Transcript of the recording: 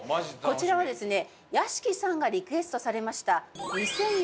こちらはですね屋敷さんがリクエストされました。